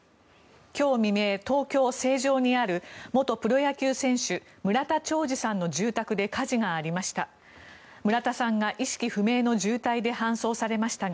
今日未明、東京・成城にある元プロ野球選手村田兆治さんの住宅で火事がありました。